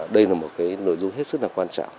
đây là một nội dung hết sức quan trọng